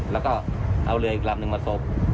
แล้วก็เอาเรืออีกลำนึงมาสบ